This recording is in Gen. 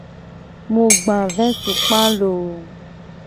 Mu gba vetukpa a o loo.